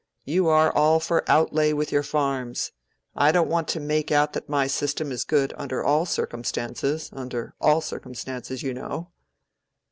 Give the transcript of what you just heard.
You are all for outlay with your farms. I don't want to make out that my system is good under all circumstances—under all circumstances, you know."